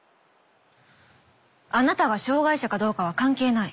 あなたが障がい者かどうかは関係ない。